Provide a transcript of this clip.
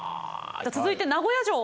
続いて名古屋城。